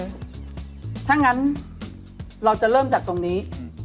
ถ้างั้นเราจะเริ่มจากตรงนี้